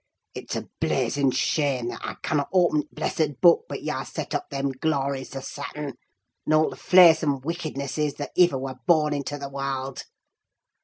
"It's a blazing shame, that I cannot oppen t' blessed Book, but yah set up them glories to sattan, and all t' flaysome wickednesses that iver were born into th' warld!